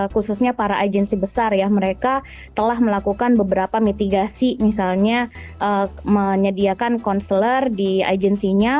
khususnya para agensi besar ya mereka telah melakukan beberapa mitigasi misalnya menyediakan konselor di agensinya